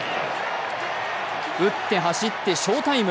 打って走って翔タイム！